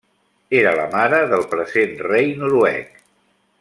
Era la mare del present rei noruec.